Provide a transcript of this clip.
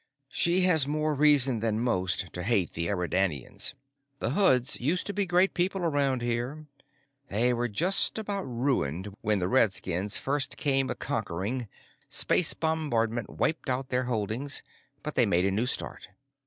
"She has more reason than most to hate the Eridanians. The Hoods used to be great people around here. They were just about ruined when the redskins first came a conquering, space bombardment wiped out their holdings, but they made a new start.